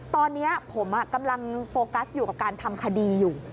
ตอนนี้ผมกำลังโฟกัสอยู่กับการทำคดีอยู่